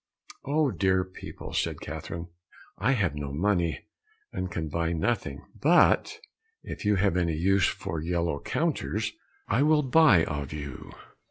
"Oh, dear people," said Catherine, "I have no money and can buy nothing, but if you have any use for yellow counters I will buy of you."